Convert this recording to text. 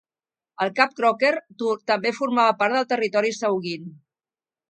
El cap Croker també formava part del territori Saugeen.